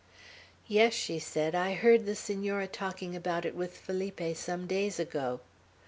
"Yes," she said; "I heard the Senora talking about it with Felipe, some days ago."